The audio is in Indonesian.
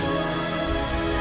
kembali ke rumah saya